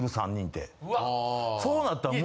そうなったら。